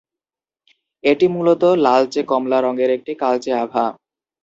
এটি মূলত লালচে কমলা রঙের একটি কালচে আভা।